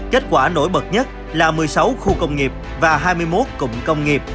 kết quả nổi bật nhất là một mươi sáu khu công nghiệp và hai mươi một cụm công nghiệp